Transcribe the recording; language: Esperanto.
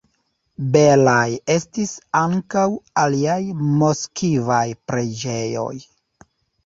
Belaj estis ankaŭ aliaj moskvaj preĝejoj.